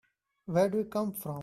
Where do you come from?